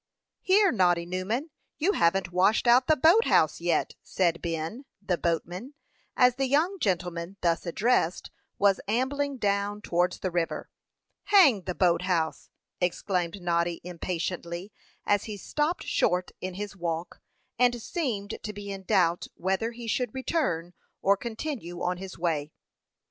"Here, Noddy Newman! you haven't washed out the boat house yet," said Ben, the boatman, as the young gentleman thus addressed was ambling down towards the river. "Hang the boat house!" exclaimed Noddy, impatiently, as he stopped short in his walk, and seemed to be in doubt whether he should return or continue on his way.